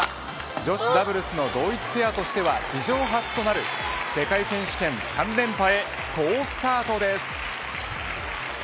女子ダブルスの同一ペアとしては史上初となる世界選手権３連覇へ好スタートです。